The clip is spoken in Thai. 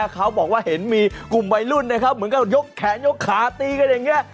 เขาบอกว่าเห็นมีกลุ่มวัยรุ่นอยกแขนอยกขาตีกันอย่างเนี่ย